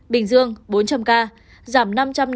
bình dương bốn trăm linh ca giảm năm trăm năm mươi